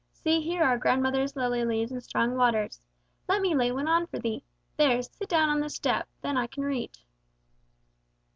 See here are grandmother's lily leaves in strong waters. Let me lay one on for thee. There, sit down on the step, then I can reach."